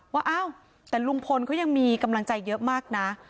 ว่าอ้าวแต่ลุงพลเขายังมีกำลังใจเยอะมากนะ